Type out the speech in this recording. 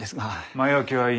前置きはいい。